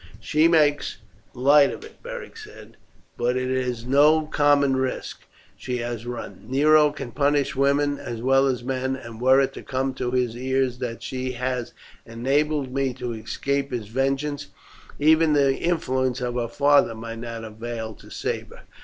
"She makes light of it," Beric said; "but it is no common risk she has run. Nero can punish women as well as men, and were it to come to his ears that she has enabled me to escape his vengeance, even the influence of her father might not avail to save her."